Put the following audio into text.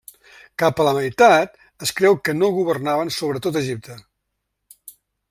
Cap a la meitat, es creu que no governaven sobre tot Egipte.